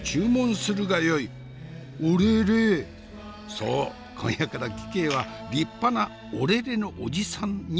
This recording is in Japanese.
そう今夜から貴兄は立派なオレレのおじさんになるのだ。